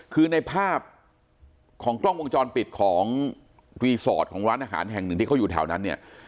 คือในภาพของกล้องวงจรปิดของรีสอร์ทของร้านอาหารแห่งหนึ่งที่เขาอยู่แถวนั้นเนี่ย